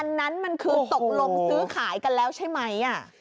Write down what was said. อันนั้นมันคือตกลงซื้อขายกันแล้วใช่ไหม